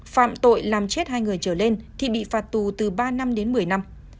phạm tội làm chết hai người trở lên thì bị phạt tù từ ba năm đến một mươi năm